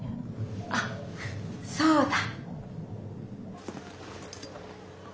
「あっそうだ」。